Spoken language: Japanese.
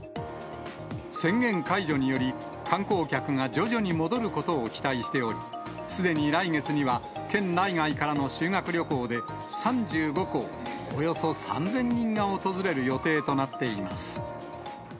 宣言解除により、観光客が徐々に戻ることを期待しており、すでに来月には県内外からの修学旅行で３５校およそ３０００人が訪れる予定となっています。